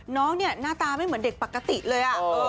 น้องเนี่ยหน้าตาไม่เหมือนเด็กปกติเลย